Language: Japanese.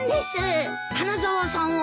花沢さんは？